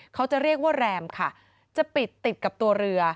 เขาจะเรียกว่าแรมค่ะจะปิดติดกับตัวเรือ